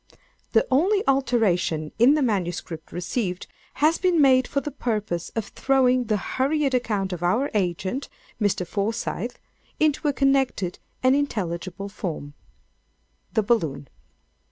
The only alteration in the MS. received, has been made for the purpose of throwing the hurried account of our agent, Mr. Forsyth, into a connected and intelligible form. "THE BALLOON.